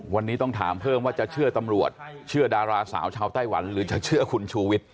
วันนี้ต้องถามเพิ่มว่าจะเชื่อตำรวจเชื่อดาราสาวชาวไต้หวันหรือจะเชื่อคุณชูวิทย์